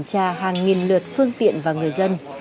và hàng nghìn lượt phương tiện và người dân